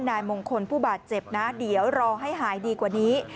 นายมงคลผู้บาดเจ็บนะเดี๋ยวรอให้หายดีกว่านี้